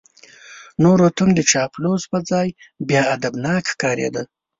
نورو ته هم د چاپلوس په ځای بیا ادبناک ښکارېده.